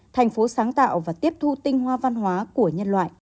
thành phố sáng tạo và tiếp thu tinh hoa văn hóa của nhân loại